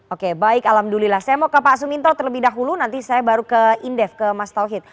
oke baik alhamdulillah saya mau ke pak suminto terlebih dahulu nanti saya baru ke indef ke mas tauhid